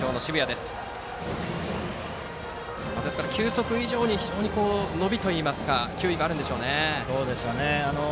ですから球速以上に伸びといいますか球威があるんでしょうね。